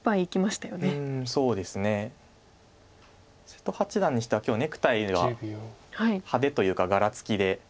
瀬戸八段にしては今日ネクタイが派手というか柄付きで。